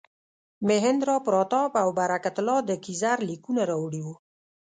مهیندراپراتاپ او برکت الله د کیزر لیکونه راوړي وو.